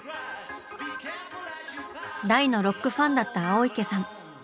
大のロックファンだった青池さん。